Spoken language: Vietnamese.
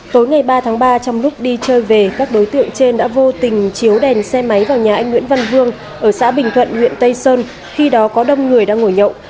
tối ngày ba tháng ba trong lúc đi chơi về các đối tượng trên đã vô tình chiếu đèn xe máy vào nhà anh nguyễn văn vương ở xã bình thuận huyện tây sơn khi đó có đông người đang ngồi nhậu